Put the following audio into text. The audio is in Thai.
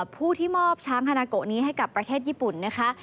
ผู้ที่มอบช้างฮานาโกะนี้ให้กับประเทศญี่ปุ่นนะคะ